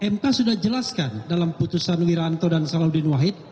mk sudah jelaskan dalam putusan wiranto dan salahuddin wahid